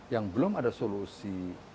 yang belum ada solusi